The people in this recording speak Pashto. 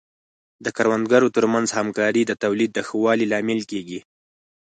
د کروندګرو ترمنځ همکاري د تولید د ښه والي لامل کیږي.